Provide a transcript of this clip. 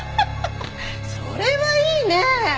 それはいいね。